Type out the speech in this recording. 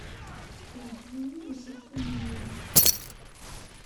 Yeɛjeb-iyi uselkim-nwen.